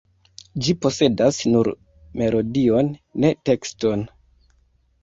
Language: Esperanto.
Ĝi posedas nur melodion, ne tekston.